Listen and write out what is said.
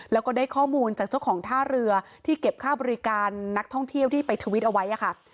แล้วก็ได้ข้อมูลจากเจ้าของท่าเรือที่เก็บค่าบริการนักท่องเที่ยวที่ไปทวิตเอาไว้ค่ะ